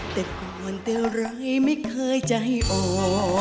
แต่ก่อนแต่ไรไม่เคยใจอ่อน